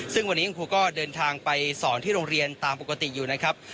ซึ่งวันนี้คุณครูก็เดินทางไปสอนที่โรงเรียนตามปกติอยู่นะครับ